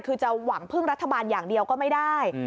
คือจะหวังพึ่งรัฐบาลอย่างเดียวก็ไม่ได้